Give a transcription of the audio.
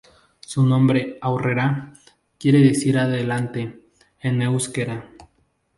Su nombre "Aurrera", quiere decir "adelante" en euskera.